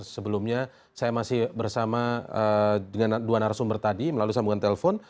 sebelumnya saya masih bersama dengan dua narasumber tadi melalui sambungan telepon